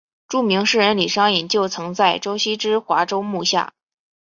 著名诗人李商隐就曾在周墀之华州幕下。